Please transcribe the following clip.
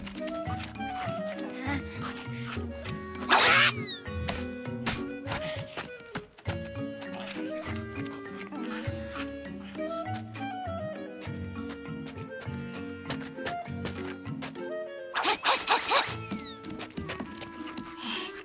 あっ。